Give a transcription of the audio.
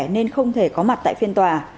nên không thể có mặt tại phiên tòa